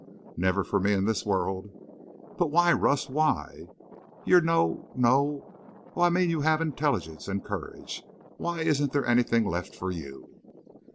"Never for me in this world." "But why, Rust, why? You're no—no—Oh! I mean you have intelligence and courage. Why isn't there anything left for you?"